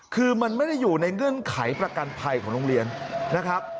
คือมันไม่ได้อยู่ในเงื่อนไขประกันภัยของโรงเรียนนะครับ